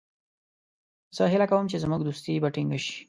زه هیله کوم چې زموږ دوستي به ټینګه شي.